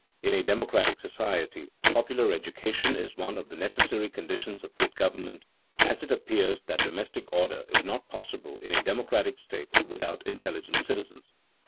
In a democratic society, popular education is one of the necessary conditions of good government, as it appears that domestic order is not possible in a democratic state without intelligent citizens.